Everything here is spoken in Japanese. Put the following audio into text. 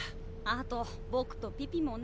あと僕とピピもね。